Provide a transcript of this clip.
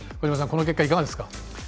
この結果、いかがですか？